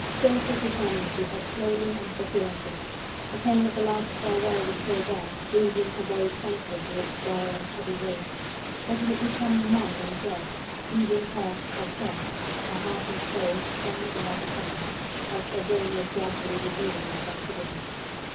Thought was returning to her, slowly and coherently: the pain of the last farewell was still there, bruising her very senses with its dull and heavy weight, but it had become numb and dead, leaving her, herself, her heart and soul, stunned and apathetic, whilst her brain was gradually resuming its activity.